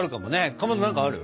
かまど何かある？